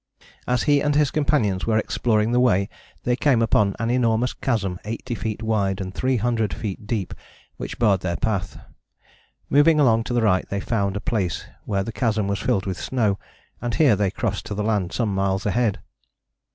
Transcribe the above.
As he and his companions were exploring the way they came upon an enormous chasm, 80 feet wide and 300 feet deep, which barred their path. Moving along to the right they found a place where the chasm was filled with snow, and here they crossed to the land some miles ahead.